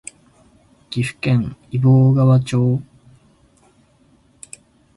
岐阜県揖斐川町